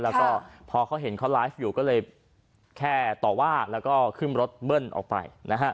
แล้วก็พอเขาเห็นเขาไลฟ์อยู่ก็เลยแค่ต่อว่าแล้วก็ขึ้นรถเบิ้ลออกไปนะฮะ